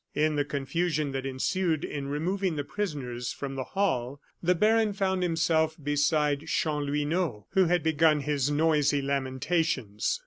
In the confusion that ensued in removing the prisoners from the hall, the baron found himself beside Chanlouineau, who had begun his noisy lamentations.